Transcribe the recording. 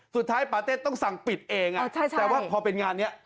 สุดท้ายปาเตศต้องสั่งปิดเองแต่ว่าพอเป็นงานนี้